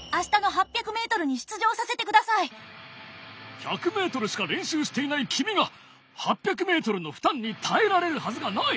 私を１００ｍしか練習していない君が８００ｍの負担に耐えられるはずがない！